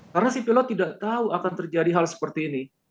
karena si pilot tidak tahu akan terjadi hal seperti ini